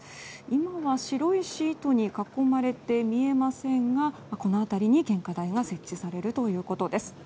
今は白いシートに囲まれて見えませんがこの辺りに献花台が設置されるということです。